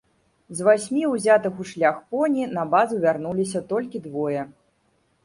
З васьмі узятых у шлях поні на базу вярнуліся толькі двое.